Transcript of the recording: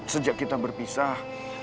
sejak kita berpisah